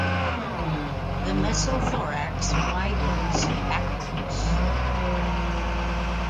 The mesothorax widens backwards.